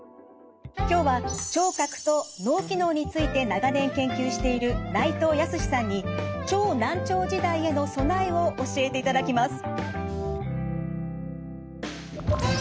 今日は聴覚と脳機能について長年研究している内藤泰さんに超難聴時代への備えを教えていただきます。